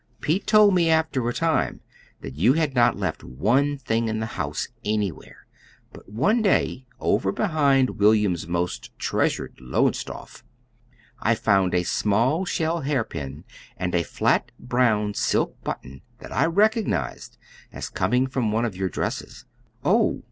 Pete told me after a time that you had not left one thing in the house, anywhere; but one day, over behind William's most treasured Lowestoft, I found a small shell hairpin, and a flat brown silk button that I recognized as coming from one of your dresses." "Oh!"